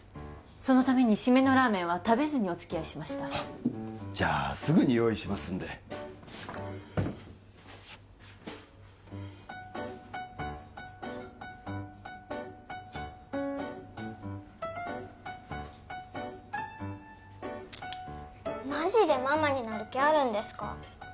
そのために締めのラーメンは食べずにお付き合いしましたじゃあすぐに用意しますんでマジでママになる気あるんですか？